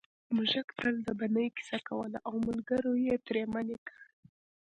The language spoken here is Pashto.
موږک تل د بنۍ کیسه کوله او ملګرو یې ترې منع کړ